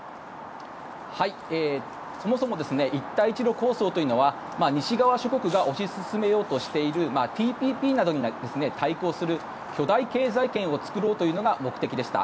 そもそも一帯一路構想というのは西側諸国が推し進めようとしているＴＰＰなどに対抗する巨大経済圏を作ろうというのが目的でした。